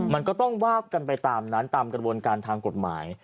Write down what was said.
มันก็ต้องว่ากันไปตามนั้นตามกระบวนการทางกฎหมาย